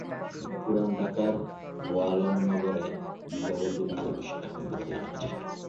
পুরান ঢাকার গোয়ালনগরে গৃহবধূ কাজল ঘোষ এখন ভোররাতেই রান্নার কাজ শেষ করেন।